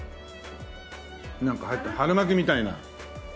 なんか入って春巻きみたいな。